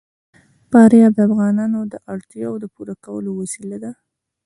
فاریاب د افغانانو د اړتیاوو د پوره کولو وسیله ده.